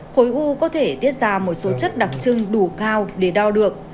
khối u có thể tiết ra một số chất đặc trưng đủ cao để đo được